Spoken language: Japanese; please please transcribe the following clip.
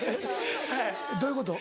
どういうこと？